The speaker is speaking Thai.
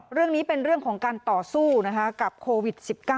เรื่องนี้เป็นเรื่องของการต่อสู้กับโควิด๑๙